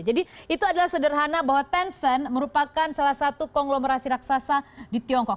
jadi itu adalah sederhana bahwa tencent merupakan salah satu konglomerasi raksasa di tiongkok